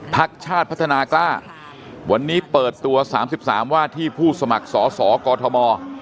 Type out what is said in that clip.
พักชาติพัฒนากล้าวันนี้เปิดตัว๓๓ว่าที่ผู้สมัครสอสอกอทม